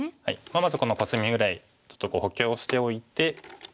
まずはこのコスミぐらいちょっと補強しておいて。